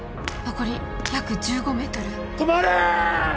残り約１５メートル止まれ！